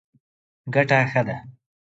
ګټه ښه ده.